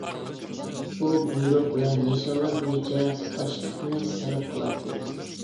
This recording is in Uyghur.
ئۇ بۇيرۇق ۋە نىشانلار بويىچە ئاشلىقنى سەرپ قىلاتتى.